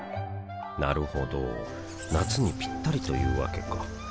なるほど夏にピッタリというわけか